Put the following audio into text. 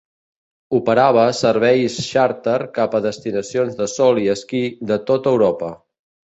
Operava serveis xàrter cap a destinacions de sol i esquí de tota Europa.